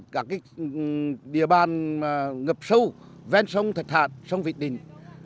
các địa bàn ngập sâu ven sông thật hạt sông vịt đình